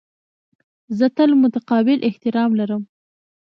زه تل متقابل احترام لرم.